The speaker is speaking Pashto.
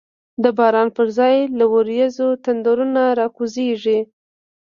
د باران پر ځای له وریځو، تندرونه راکوزیږی